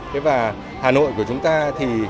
thế và hà nội của chúng ta thì